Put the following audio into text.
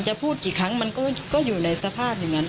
พูดกี่ครั้งมันก็อยู่ในสภาพอย่างนั้น